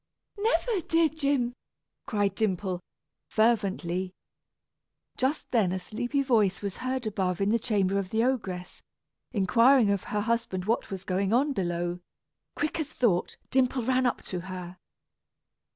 "Never, dear Jim," cried Dimple, fervently. Just then a sleepy voice was heard above in the chamber of the ogress, inquiring of her husband what was going on below. Quick as thought, Dimple ran up to her.